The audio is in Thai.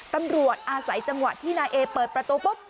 ตำรวจอาศัยจังหวะที่นายเอเปิดประตูปุ๊บ